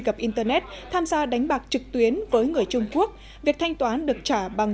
cập internet tham gia đánh bạc trực tuyến với người trung quốc việc thanh toán được trả bằng